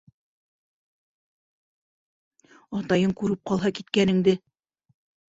Атайың күреп ҡалһа киткәнеңде...